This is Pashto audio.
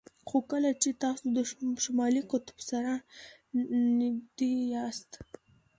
خو کله چې تاسو د شمالي قطب سره نږدې یاست